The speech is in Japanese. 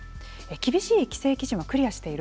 厳しい規制基準はクリアしている。